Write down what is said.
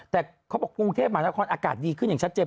แต่เขาบอกกรุงเทพมหานครอากาศดีขึ้นอย่างชัดเจน